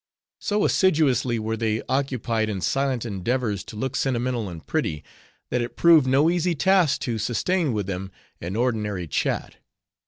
So assiduously were they occupied in silent endeavors to look sentimental and pretty, that it proved no easy task to sustain with them an ordinary chat.